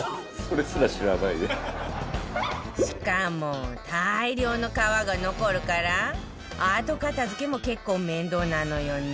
しかも大量の皮が残るから後片付けも結構面倒なのよね